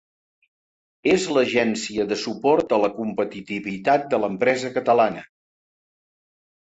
És l'agència de suport a la competitivitat de l'empresa catalana.